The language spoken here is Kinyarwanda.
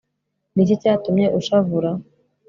ni iki cyatumye ushavura